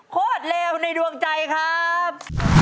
โคตรเลวในดวงใจครับ